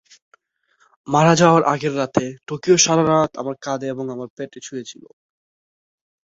রঙ, প্লাস্টিক, কাগজ, খাদ্য এবং অন্যান্য ক্ষেত্রেও এটি ভালো কাজ করে।